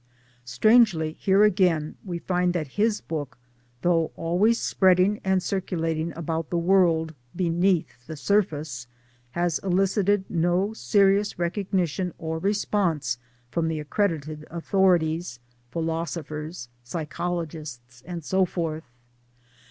Strangely here again we find that his book though always spreading and circulating about the world, beneath the surface has elicited no serious recogni tion or response from the accredited authorities, phil THE STORY OF, MY BOOKS 207 osophers, psychologists, and so forth!